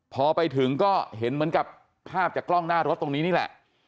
พอไปถึงก็เห็นเหมือนกับภาพจากกล้องหน้ารถตรงนี้นี่แหละ